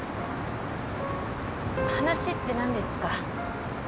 話ってなんですか？